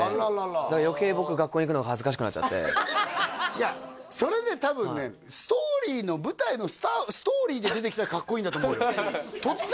だから余計僕学校行くの恥ずかしくなっちゃっていやそれね多分ね舞台のストーリーで出てきたらかっこいいんだと思うよ